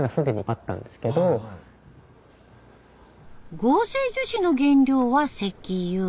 合成樹脂の原料は石油。